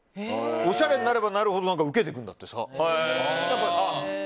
おしゃれになればなるほどウケていくんだってさ。